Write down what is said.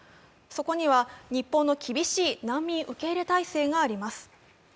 そこには日本の厳しい難民受け入れ体制があります。